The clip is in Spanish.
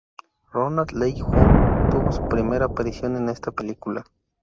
Ronald Leigh-Hunt tuvo su primera aparición en esta película.